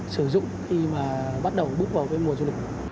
sử dụng khi bắt đầu bước vào mùa du lịch